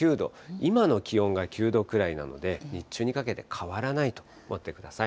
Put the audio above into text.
今の気温が９度くらいなので、日中にかけて変わらないと思ってください。